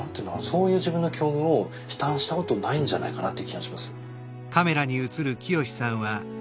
そういう自分の境遇を悲嘆したことないんじゃないかなっていう気がします。